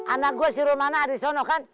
anak gua si romana ada di sono kan